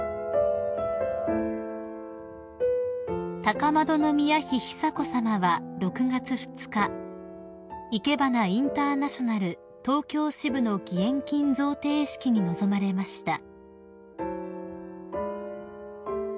［高円宮妃久子さまは６月２日いけばなインターナショナル東京支部の義援金贈呈式に臨まれました］